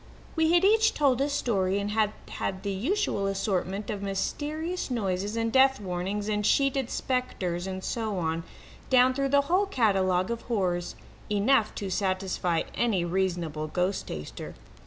We had each told a story, and had had the usual assortment of mysterious noises and death warnings and sheeted spectres and so on, down through the whole catalogue of horrors enough to satisfy any reasonable ghost taster.